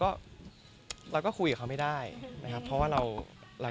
ก็มีไปคุยกับคนที่เป็นคนแต่งเพลงแนวนี้